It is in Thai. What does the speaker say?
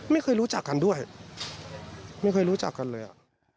ไม่เคยรู้จักกันด้วยไม่เคยรู้จักกันเลย